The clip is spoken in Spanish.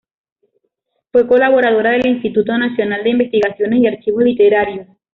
Fue colaboradora del Instituto Nacional de Investigaciones y Archivos Literarios.